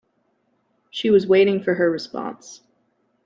She was waiting for her response.